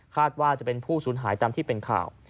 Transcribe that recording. ว่าจะเป็นผู้สูญหายตามที่เป็นข่าว